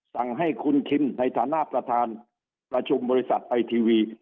สั่งให้คุณคิมในฐานะประธานประชุมบริษัทไอทีวี